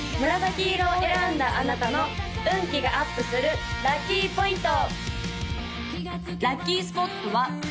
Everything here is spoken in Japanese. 黄色を選んだあなたの運気がアップするラッキーポイント！